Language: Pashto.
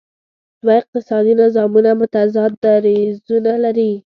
دوه اقتصادي نظامونه متضاد دریځونه لري.